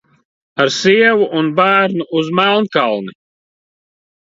Ar sievu un bērnu uz Melnkalni!